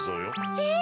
えっ！